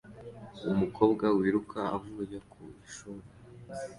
Umukobwa wiruka avuye ku ishuri